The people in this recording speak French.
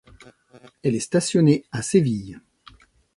Elle est stationnée à Séville.